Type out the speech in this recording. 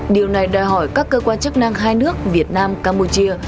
điều này đòi hỏi các cơ quan chức năng hai nước việt nam campuchia